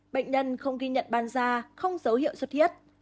bệnh nhân không ghi nhận ban da không dấu hiệu xuất huyết